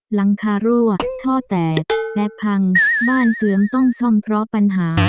หลังคารั่วท่อแตกและพังบ้านเสื่อมต้องซ่อมเพราะปัญหา